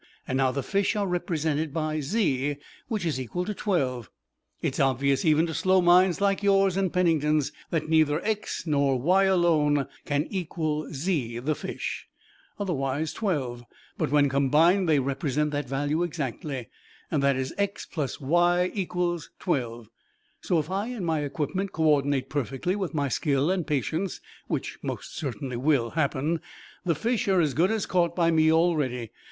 Now the fish are represented by z which is equal to 12. It is obvious even to slow minds like yours and Pennington's that neither x nor y alone can equal z, the fish, otherwise 12, but when combined they represent that value exactly, that is x plus y equals 12. So, if I and my equipment coordinate perfectly with my skill and patience, which most certainly will happen, the fish are as good as caught by me already.